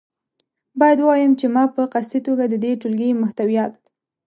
باید ووایم چې ما په قصدي توګه د دې ټولګې محتویات.